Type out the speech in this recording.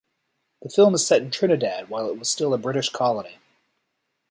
The film is set in Trinidad while it was still a British colony.